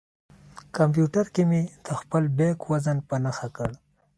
کمپیوټر کې مې د خپل بیک وزن په نښه کړ.